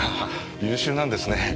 優秀なんですね。